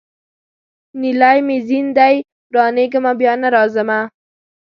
نیلی مي ځین دی روانېږمه بیا نه راځمه